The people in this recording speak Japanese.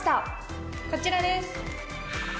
こちらです。